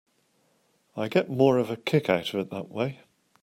I get more of a kick out of it that way.